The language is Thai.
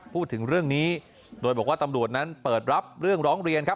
พูดถึงเรื่องนี้โดยบอกว่าตำรวจนั้นเปิดรับเรื่องร้องเรียนครับ